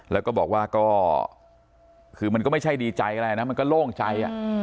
แล้วก็บอกว่าก็คือมันก็ไม่ใช่ดีใจอะไรนะมันก็โล่งใจ